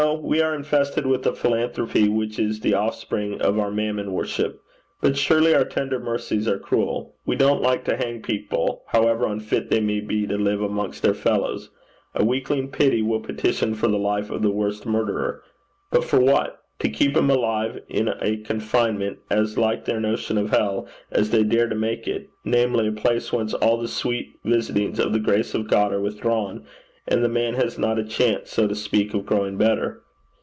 We are infested with a philanthropy which is the offspring of our mammon worship. But surely our tender mercies are cruel. We don't like to hang people, however unfit they may be to live amongst their fellows. A weakling pity will petition for the life of the worst murderer but for what? To keep him alive in a confinement as like their notion of hell as they dare to make it namely, a place whence all the sweet visitings of the grace of God are withdrawn, and the man has not a chance, so to speak, of growing better.